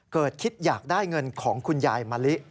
คิดอยากได้เงินของคุณยายมะลิ